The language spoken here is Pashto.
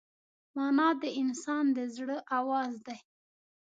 مانا د انسان د زړه آواز دی.